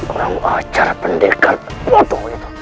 mau acara pendekar bodoh itu